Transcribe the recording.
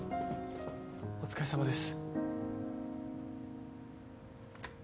お疲れさまです。